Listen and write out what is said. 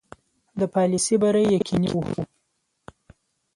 د پالیسي بری یقیني وو.